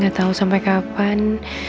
gatau sampai kapan